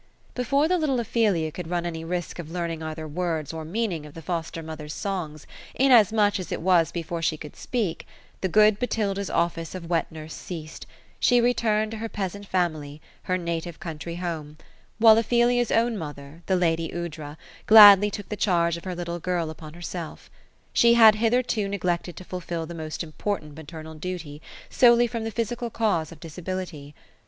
Before the little Ophelia could run any risk of learning either words or meaning of the foster mother's songs, inasmuch as it was before she could speak, the good Botilda's office of wet nurse ceased ; she returned to her peasantrfamily, her native country home ; while Ophelia's own mother, the lady Aoudra, gladly took the charge of her little girl upon herself She had hitherto neglected to fulfil the most important ma ternal duty, solely from the physical cause of disability.